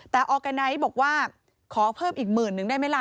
แต่ออร์แกนไนซ์บอกว่าขอเพิ่มอีก๑๐๐๐๐ได้ไหมล่ะ